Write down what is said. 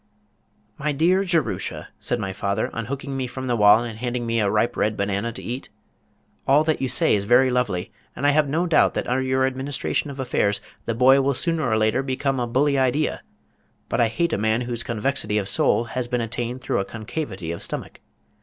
"My dear Jerusha," said my father, unhooking me from the wall and handing me a ripe red banana to eat, "all that you say is very lovely, and I have no doubt that under your administration of affairs the boy will sooner or later become a bully idea, but I hate a man whose convexity of soul has been attained through a concavity of stomach.